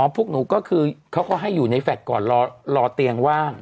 พวกหนูก็คือเขาก็ให้อยู่ในแฟลต์ก่อนรอเตียงว่าง